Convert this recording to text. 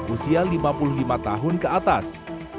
usia lima puluh lima tahun ke atas